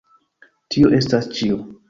Tio estas ĉio!